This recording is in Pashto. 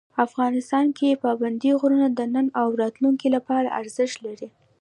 افغانستان کې پابندی غرونه د نن او راتلونکي لپاره ارزښت لري.